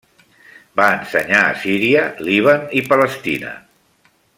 Va ensenyar a Síria, Líban i Palestina.